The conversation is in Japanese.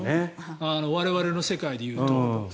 我々の世界で言うと。